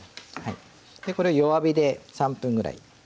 これを弱火で３分ぐらい煮ます。